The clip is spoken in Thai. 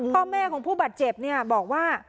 พ่อแม่ของผู้บัดเจ็บบอกว่า